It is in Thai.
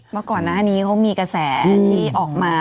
ว่าก่อนหน้านี้เขามีกระแสที่ออกมา